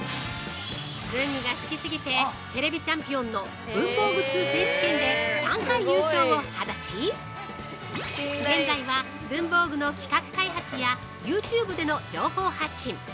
文具が好きすぎて「ＴＶチャンピオン」の「文房具通選手権」で３回優勝を果たし現在は、文房具の企画開発やユーチューブでの情報発信。